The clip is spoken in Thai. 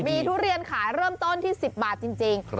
มีทุเรียนขายเริ่มต้นที่๑๐บาทจริง